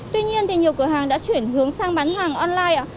tuy nhiên thì nhiều cửa hàng đã chuyển hướng sang bán hàng online